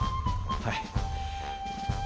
はい！